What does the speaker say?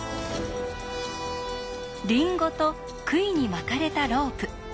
リンゴとくいに巻かれたロープ。